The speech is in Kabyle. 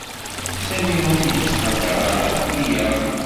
Sami ur yettqadar ara akk wiyaḍ.